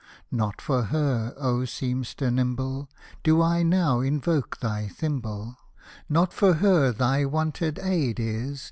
Not for her, oh seamster nimble ! Do I now invoke thy thimble : Not for her thy wanted aid is.